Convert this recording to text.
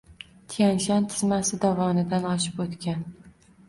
Tyan-Shan tizmasi dovonidan oshib oʻtgan.